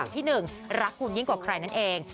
ที่หนึ่งรักคุณยิ่งกว่าใครนั่นเอง